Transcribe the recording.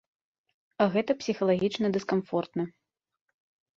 А гэта псіхалагічна дыскамфортна.